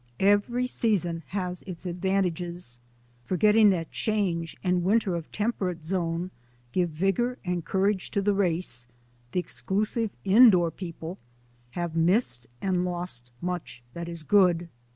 Every season has its advantages. Forgetting that change and winter of temperate zone gave vigour and courage to the race, the exclusive indoor peoples have missed and lost much that is good.